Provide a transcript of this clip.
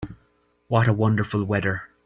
What a wonderful weather!